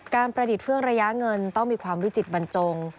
ประดิษฐ์เฟื่องระยะเงินต้องมีความวิจิตบรรจง